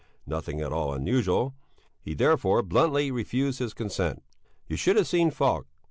(Nothing at all unusual!) He therefore bluntly refused his consent. You should have seen Falk!